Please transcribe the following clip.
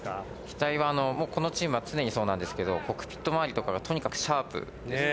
機体はこのチームは常にそうなんですけどコックピット回りとかがとにかくシャープです。